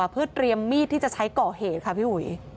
เพื่อเตรียมมีดที่จะใช้ก่อเหตุค่ะพี่อุ๋ย